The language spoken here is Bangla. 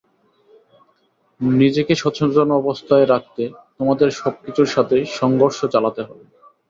নিজেকে সচেতন অবস্থায় রাখতে তোমাদের সবকিছুর সাথে সংঘর্ষ চালাতে হবে।